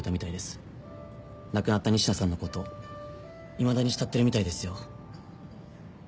亡くなった仁科さんのこといまだに慕ってるみたいですよ。